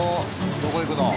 どこ行くの？